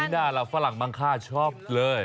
นี่น่ะเราฝรั่งบางค่าชอบเลย